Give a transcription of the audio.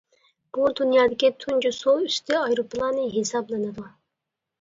بۇ، دۇنيادىكى تۇنجى سۇ ئۈستى ئايروپىلانى ھېسابلىنىدۇ.